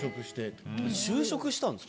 就職したんですか？